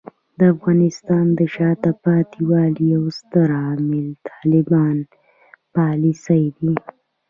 د افغانستان د شاته پاتې والي یو ستر عامل طالبانو پالیسۍ دي.